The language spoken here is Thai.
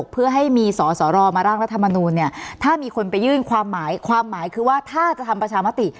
เพื่อให้มีสอสอรอมาร่างรัฐมนูลเนี่ยถ้ามีคนไปยื่นความหมายความหมายคือว่าถ้าจะทำประชามติ